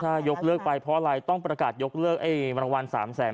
ถ้ายกเลิกไปเพราะอะไรต้องประกาศยกเลิกไอ้รางวัล๓แสน